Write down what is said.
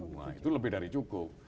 wah itu lebih dari cukup